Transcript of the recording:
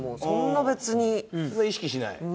そんな意識しない？